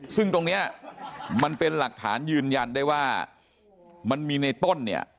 ซึ่งตรงนี้มันเป็นหลักฐานยืนยันได้ว่ามันมีในต้นเนี่ย